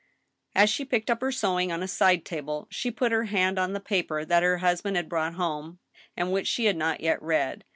As she picked up her sewing on a side table, she put her hand on the paper that her husband had brought home, and which she had not yet read.